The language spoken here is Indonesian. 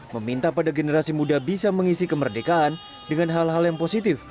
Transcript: meminta pada generasi muda bisa mengisi kemerdekaan dengan hal hal yang positif